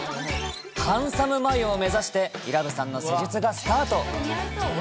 ハンサム眉を目指して、伊良部さんの施術がスタート。